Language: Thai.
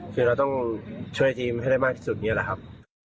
คือเราต้องช่วยทีมให้ได้มากที่สุดนี่แหละครับ